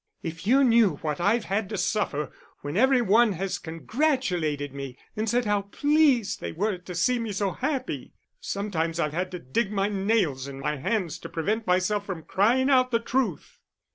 If you knew what I've had to suffer when every one has congratulated me, and said how pleased they were to see me so happy. Sometimes I've had to dig my nails in my hands to prevent myself from crying out the truth."